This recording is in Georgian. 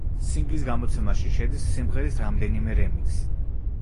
სინგლის გამოცემაში შედის სიმღერის რამდენიმე რემიქსი.